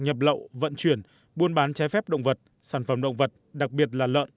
nhập lậu vận chuyển buôn bán trái phép động vật sản phẩm động vật đặc biệt là lợn